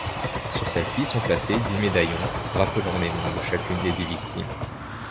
Sur celle-ci sont placés dix médaillons rappelant les noms de chacune des dix victimes.